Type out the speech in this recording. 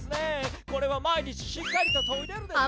これは毎日しっかりと研いでるですか？